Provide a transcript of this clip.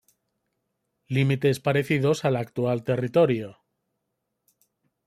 Límites parecidos al actual territorio.